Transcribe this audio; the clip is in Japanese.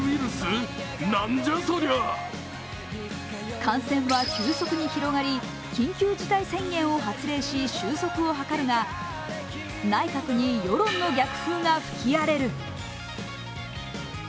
感染は急速に広がり、緊急事態宣言を発令し、収束を図るが、内閣に世論の逆風が吹き荒れる。